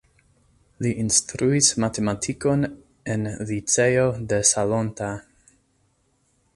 Li instruis matematikon en liceo de Salonta.